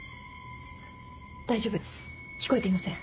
大丈夫です聞こえていません。